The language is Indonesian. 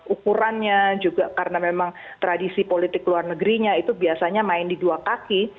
ukurannya juga karena memang tradisi politik luar negerinya itu biasanya main di dua kaki